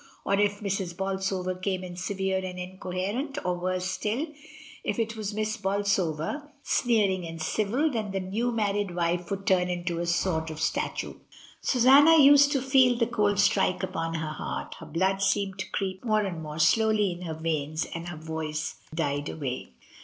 Or if Mrs. Bolsover came in severe and incoherent, or, worse still, if it was Miss Bolsover sneering and civil, then the new married wife would turn into a sort of sta tue. Susanna used to feel the cold strike upon her heart, her blood seemed to creep more and more slowly in her veins, and her voice died away.